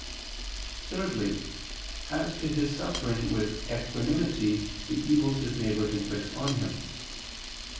Thirdly, as to his suffering with equanimity the evils his neighbor inflicts on him.